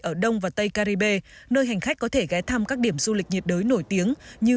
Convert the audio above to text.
ở đông và tây caribe nơi hành khách có thể ghé thăm các điểm du lịch nhiệt đới nổi tiếng như